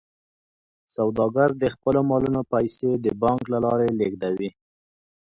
سوداګر د خپلو مالونو پیسې د بانک له لارې لیږدوي.